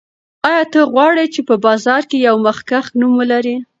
آیا ته غواړې چې په بازار کې یو مخکښ نوم ولرې؟